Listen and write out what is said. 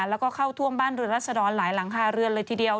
แล้วก็เข้าท่วมบ้านเรือนรัศดรหลายหลังคาเรือนเลยทีเดียว